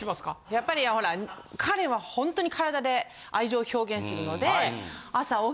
やっぱりほら彼はほんとに体で愛情を表現するので。